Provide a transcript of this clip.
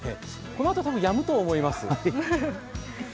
このあと多分やむと思います。